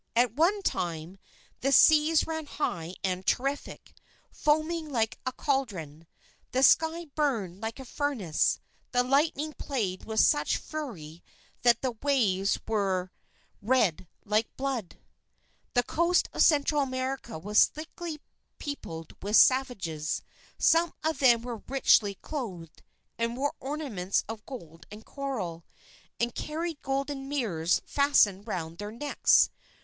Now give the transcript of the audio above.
At one time, the seas ran high and terrific, foaming like a caldron. The sky burned like a furnace, the lightning played with such fury that the waves were red like blood. The coast of Central America was thickly peopled with savages. Some of them were richly clothed, and wore ornaments of gold and coral, and carried golden mirrors fastened round their necks.